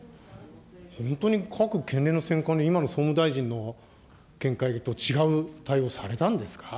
本当に各県連の選管で、今の総務大臣の見解と違う対応されたんですか。